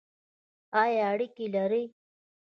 ایا اریګی لرئ؟